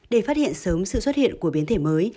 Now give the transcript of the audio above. để phát hiện sớm sự xuất hiện của biến thể mới